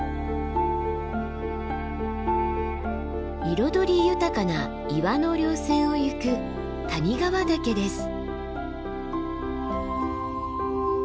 彩り豊かな岩の稜線を行く谷川岳です。